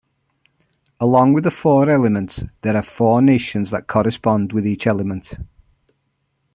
Along with the four elements, there are four nations that correspond with each element.